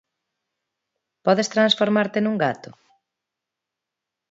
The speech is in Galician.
Podes transformarte nun gato?